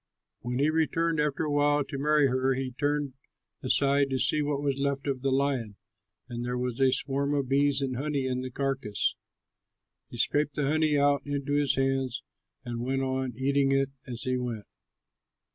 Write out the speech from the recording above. When he returned after a while to marry her, he turned aside to see what was left of the lion, and there was a swarm of bees and honey in the carcass. He scraped the honey out into his hands and went on, eating it as he went.